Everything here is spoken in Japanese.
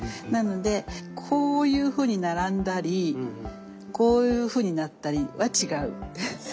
なのでこういうふうに並んだりこういうふうになったりは違う。